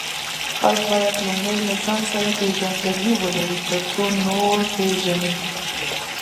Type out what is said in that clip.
خلک باید لومړی له ځان سره پیژندګلوي ولري، ترڅو نور پیژني.